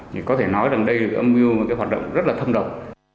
chỉ có thể nói rằng đây là âm mưu hoạt động rất thâm độc